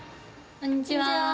こんにちは。